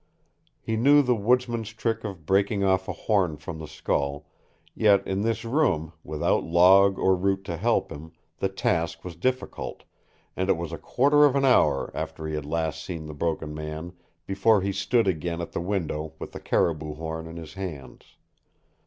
He knew the woodsman's trick of breaking off a horn from the skull, yet in this room, without log or root to help him, the task was difficult, and it was a quarter of an hour after he had last seen the Broken Man before he stood again at the window with the caribou horn in his hands.